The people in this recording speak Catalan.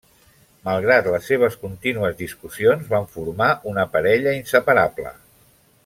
Malgrat les seves contínues discussions, van formar una parella inseparable.